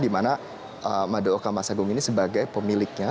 dimana mada oka mas agung ini sebagai pemiliknya